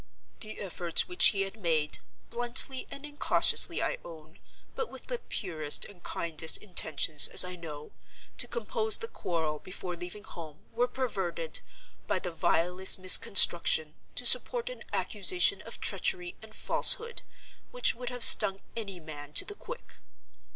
The efforts which he had made—bluntly and incautiously, I own, but with the purest and kindest intentions, as I know—to compose the quarrel before leaving home, were perverted, by the vilest misconstruction, to support an accusation of treachery and falsehood which would have stung any man to the quick.